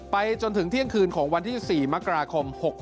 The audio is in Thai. จนถึงเที่ยงคืนของวันที่๔มกราคม๖๖